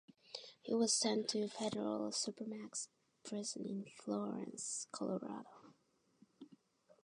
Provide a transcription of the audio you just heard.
He was sent to the Federal Supermax Prison in Florence, Colorado.